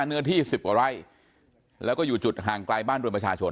เนื้อที่สิบกว่าไร่แล้วก็อยู่จุดห่างไกลบ้านเรือนประชาชน